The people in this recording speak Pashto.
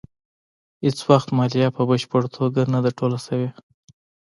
هېڅ وخت مالیه په بشپړه توګه نه ده ټوله شوې.